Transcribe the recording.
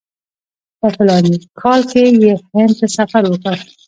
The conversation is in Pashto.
په فلاني کال کې یې هند ته سفر وکړ.